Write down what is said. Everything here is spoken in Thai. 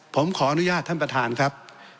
ผมขออนุญาตท่านประธานครับ